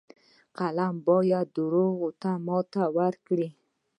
فلم باید دروغو ته ماتې ورکړي